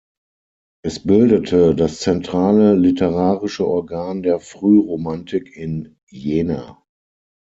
Es bildete das zentrale literarische Organ der Frühromantik in Jena.